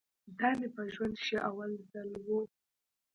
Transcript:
دا مې په ژوند کښې اول ځل و.